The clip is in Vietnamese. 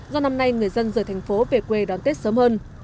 do năm nay người dân rời thành phố về quê đón tết sớm hơn